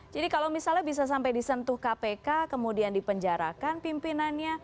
jadi kalau misalnya bisa sampai disentuh kpk kemudian dipenjarakan pimpinannya